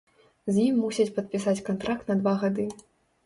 З ім мусяць падпісаць кантракт на два гады.